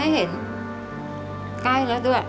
ทั้งในเรื่องของการทำงานเคยทำนานแล้วเกิดปัญหาน้อย